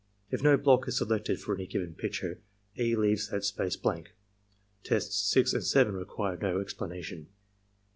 If no block is selected for any given picture, E. leaves that space blank. Tests 6 and 7 require no explanation.